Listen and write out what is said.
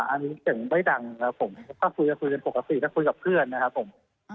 อันนี้ถึงไม่ดังนะครับผมถ้าคุยกับคุณเป็นปกติก็คุยกับเพื่อนนะครับผม